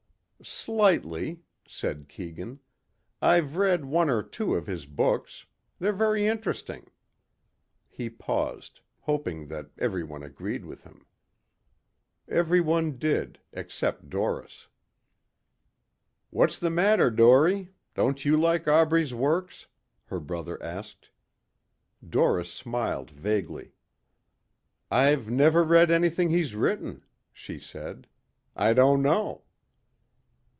"Slightly," said Keegan. "I've read one or two of his books. They're very interesting." He paused, hoping that everyone agreed with him. Everyone did except Doris. "What's the matter, Dorie? Don't you like Aubrey's works?" her brother asked. Doris smiled vaguely. "I've never read anything he's written," she said. "I don't know."